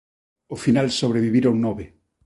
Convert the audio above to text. Ao final sobreviviron nove.